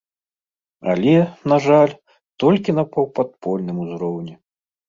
Але, на жаль, толькі на паўпадпольным узроўні.